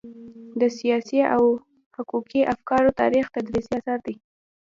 د سياسي او حقوقي افکارو تاریخ تدريسي اثر دی.